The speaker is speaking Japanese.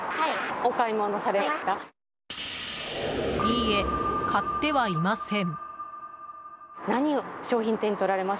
いいえ、買ってはいません。